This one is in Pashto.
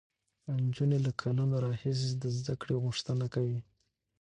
نجونې له کلونو راهیسې د زده کړې غوښتنه کوي.